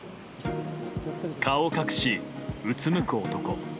顔を隠し、うつむく男。